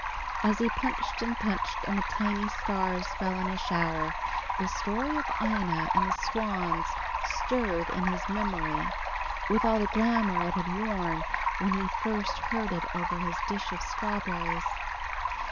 As he punched and punched and the tiny stars fell in a shower, the story of Ina and the swans stirred in his memory, with all the glamour it had worn when he first heard it over his dish of strawberries.